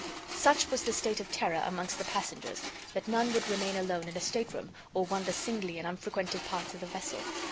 Such was the state of terror amongst the passengers that none would remain alone in a stateroom or wander singly in unfrequented parts of the vessel.